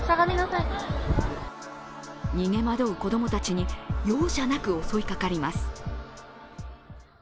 逃げまどう子供たちに容赦なく襲いかかります。